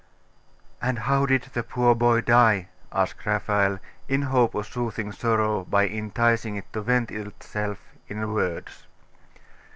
'And how did the poor boy die?' asked Raphael, in hope of soothing sorrow by enticing it to vent itself in words.